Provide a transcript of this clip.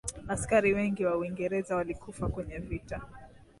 askari wengi wa uingereza walikufa kwenye vita